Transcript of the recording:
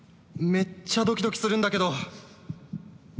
めっちゃドキドキするんだけど。